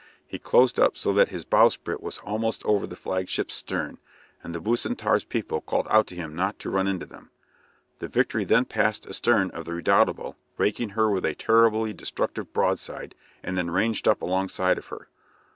He closed up so that his bowsprit was almost over the flagship's stern, and the "Bucentaure's" people called out to him not to run into them. The "Victory" then passed astern of the "Redoutable," raking her with a terribly destructive broadside, and then ranged up alongside of her.